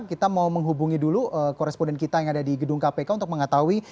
kita mau menghubungi dulu koresponden kita yang ada di gedung kpk untuk mengetahui